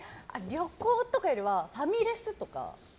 旅行とかよりはファミレスとか。